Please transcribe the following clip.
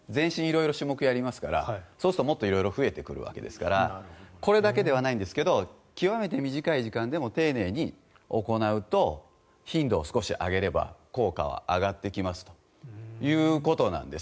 色々種目をやりますからそうするともっと増えてくるわけですからこれだけではないんですが極めて短い時間でも丁寧に行うと頻度を少し上げれば効果は上がってきますということなんです。